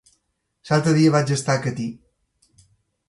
L'altre dia vaig estar a Catí.